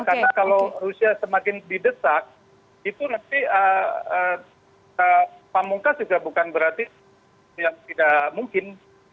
karena kalau rusia semakin didesak itu nanti pamungkas juga bukan berarti yang tidak mungkin